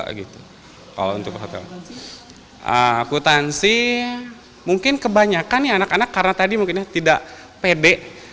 akutansi mungkin kebanyakan nih anak anak karena tadi mungkin tidak pede